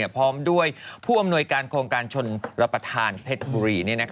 พร้อมด้วยผู้อำนวยการโครงการชนรับประทานเพชรบุรี